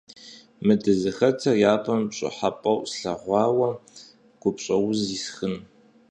Мы дызыхэтыр япэм пщӀыхьэпӀэу слъэгъуамэ, гупщӀэуз исхынт.